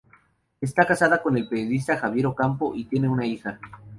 Está casada con el periodista Javier Ocampo y tiene una hija.